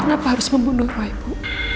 kenapa harus membunuh roy bu